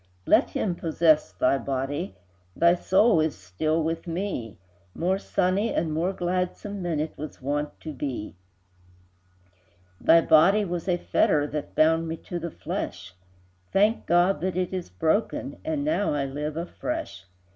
Let him possess thy body, Thy soul is still with me, More sunny and more gladsome Than it was wont to be: Thy body was a fetter That bound me to the flesh, Thank God that it is broken, And now I live afresh!